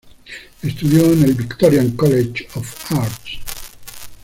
Estudió en el Victorian College of Arts.